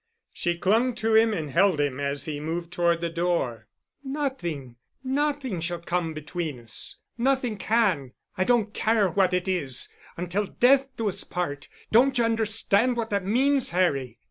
She clung to him and held him as he moved toward the door. "Nothing—nothing shall come between us. Nothing can. I don't care what it is. 'Until death us do part'—Don't you understand what that means, Harry?"